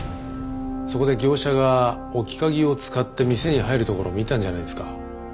そこで業者が置き鍵を使って店に入るところを見たんじゃないですか？